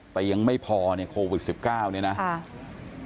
แต่ยังไม่พอเนี่ยโควิดสิบเก้าเนี่ยนะอ่า